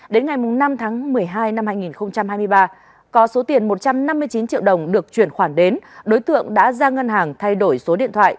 đến ngày năm tháng một mươi hai năm hai nghìn hai mươi ba có số tiền một trăm năm mươi chín triệu đồng được chuyển khoản đến đối tượng đã ra ngân hàng thay đổi số điện thoại